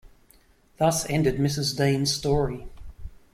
Thus ended Mrs. Dean’s story.